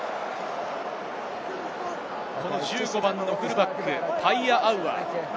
１５番のフルバック、パイアアウア。